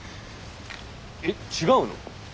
えっ違うの？